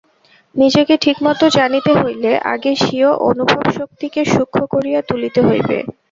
নিজেকে ঠিকমত জানিতে হইলে আগে স্বীয় অনুভবশক্তিকে সূক্ষ্ম করিয়া তুলিতে হইবে।